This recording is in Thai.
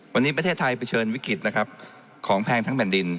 วันนี้ประเทศไทยเผชิญวิกฤตนะครับของแพงทั้งแผ่นดิน